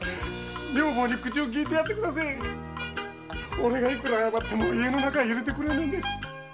オレがいくら謝っても家の中に入れてくれねえんです。